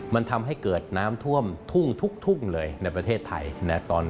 มันทำให้เกิดน้ำท่วมทุ่งทุกเลยในประเทศไทย